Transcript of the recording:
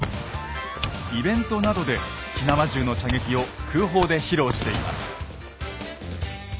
イベントなどで火縄銃の射撃を空砲で披露しています。